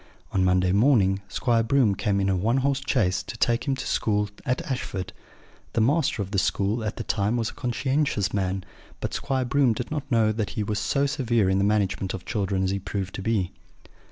On Monday morning Squire Broom came in a one horse chaise to take him to school at Ashford. The master of the school at that time was a conscientious man but Squire Broom did not know that he was so severe in the management of children as he proved to be.